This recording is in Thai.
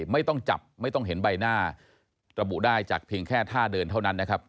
ไม่ต้องจับไม่ต้องเห็นใบหน้าระบุได้จากเพียงแค่ท่าเดินเท่านั้นนะครับ